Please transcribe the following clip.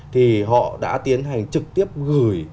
thì họ đã tiến hành trực tiếp gửi